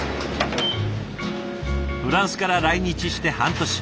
フランスから来日して半年。